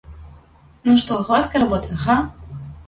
Ну што, гладкая работа, га?